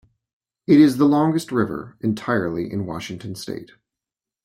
It is the longest river entirely in Washington state.